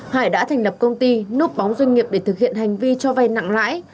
hải đã thành lập công ty núp bóng doanh nghiệp để thực hiện hành vi cho vay nặng lãi